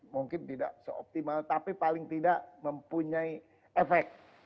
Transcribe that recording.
mungkin tidak seoptimal tapi paling tidak mempunyai efek